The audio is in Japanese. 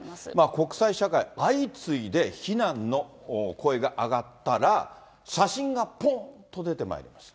国際社会、相次いで非難の声が上がったら、写真がぽんと出てまいりました。